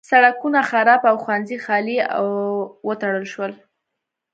سړکونه خراب او ښوونځي خالي او وتړل شول.